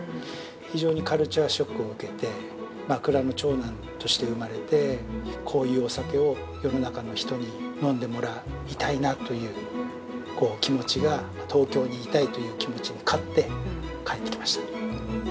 非常にカルチャーショックを受けて、まあ、蔵の長男として生まれてこういうお酒を世の中の人に飲んでもらいたいなという気持ちが東京にいたいという気持ちに勝って、帰ってきました。